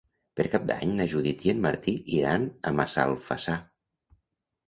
Per Cap d'Any na Judit i en Martí iran a Massalfassar.